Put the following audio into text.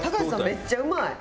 めっちゃうまい！